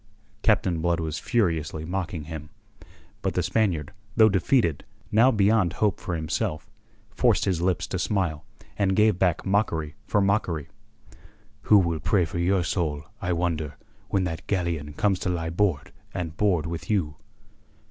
Captain Blood was furiously mocking him. But the Spaniard, though defeated, now beyond hope for himself, forced his lips to smile, and gave back mockery for mockery. "Who will pray for your soul, I wonder, when that galleon comes to lie board and board with you?"